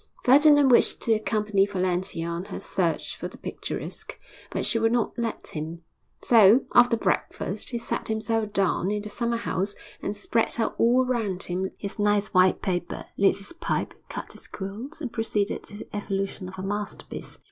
Ferdinand wished to accompany Valentia on her search for the picturesque, but she would not let him; so, after breakfast, he sat himself down in the summer house, and spread out all round him his nice white paper, lit his pipe, cut his quills, and proceeded to the evolution of a masterpiece.